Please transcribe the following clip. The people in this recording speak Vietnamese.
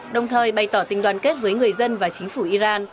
đồng thời bày tỏ tình đoàn kết với người dân và chính phủ iran